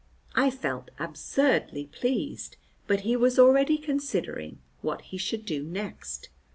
I felt absurdly pleased, but he was already considering what he should do next.